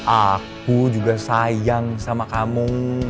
aku juga sayang sama kamu